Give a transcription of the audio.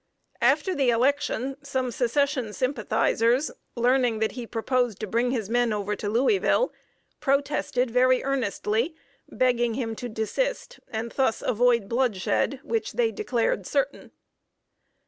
After the election, some Secession sympathizers, learning that he proposed to bring his men over to Louisville, protested very earnestly, begging him to desist, and thus avoid bloodshed, which they declared certain.